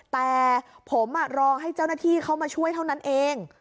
แต่ผมรอให้เจ้าหน้าที่เข้ามาช่วยเท่านั้นเอง